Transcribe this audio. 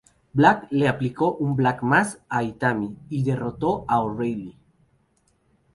Black le aplicó un "Black Mass" a Itami, y derrotó a O'Reilly.